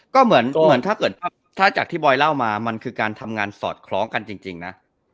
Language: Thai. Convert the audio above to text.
ก็เหมือนถ้าเกิดถ้าจากที่บอยเล่ามามันคือการทำงานสอดคล้องกันจริงนะ